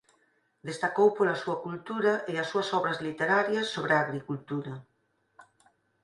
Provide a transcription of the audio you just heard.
Destacou pola súa cultura e as súas obras literarias sobre a agricultura.